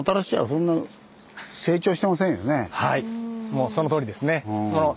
もうそのとおりですね。